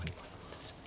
確かに。